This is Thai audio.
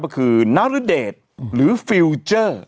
ก็คือนรเดชหรือฟิลเจอร์